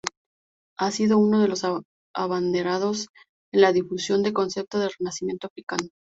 Ha sido una de los abanderados en la difusión del concepto del Renacimiento Africano.